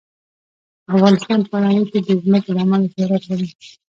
افغانستان په نړۍ کې د ځمکه له امله شهرت لري.